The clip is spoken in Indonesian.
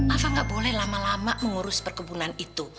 alva gak boleh lama lama mengurus perkebunan itu